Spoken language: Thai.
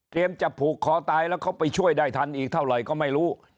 จะผูกคอตายแล้วเขาไปช่วยได้ทันอีกเท่าไหร่ก็ไม่รู้